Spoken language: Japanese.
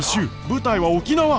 舞台は沖縄。